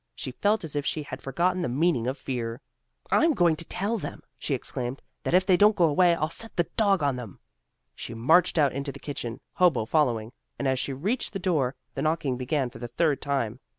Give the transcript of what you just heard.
She felt as if she had forgotten the meaning of fear. "I'm going to tell them," she exclaimed, "that if they don't go away, I'll set the dog on them." She marched out into the kitchen, Hobo following, and as she reached the door, the knocking began for the third time.